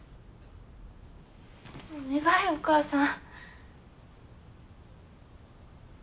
お願いお母さん。